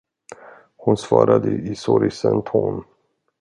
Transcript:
Hon svarade i sorgsen ton.